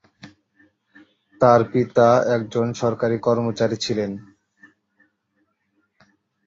তার পিতা একজন সরকারি কর্মচারী ছিলেন।